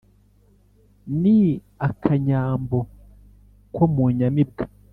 ni akanyambo ko mu nyamibwa